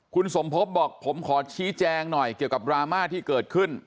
คุณสมพบบอกผมขอชี้แจงหน่อยเกี่ยวกับดราม่าที่เกิดขึ้น